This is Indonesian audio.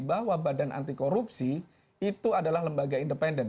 bahwa badan anti korupsi itu adalah lembaga independen